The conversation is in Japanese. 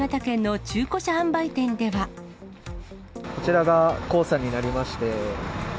こちらが黄砂になりまして。